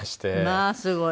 まあすごい。